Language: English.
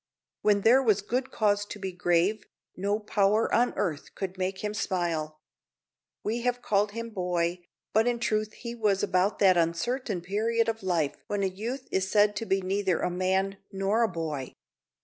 When there was good cause to be grave, no power on earth could make him smile. We have called him boy, but in truth he was about that uncertain period of life when a youth is said to be neither a man nor a boy.